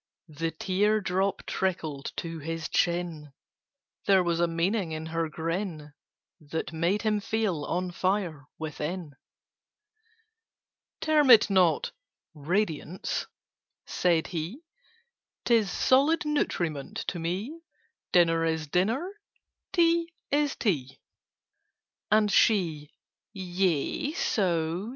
The tear drop trickled to his chin: There was a meaning in her grin That made him feel on fire within. "Term it not 'radiance,'" said he: "'Tis solid nutriment to me. Dinner is Dinner: Tea is Tea." And she "Yea so?